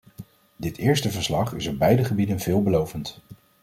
Dit eerste jaarverslag is op beide gebieden veelbelovend.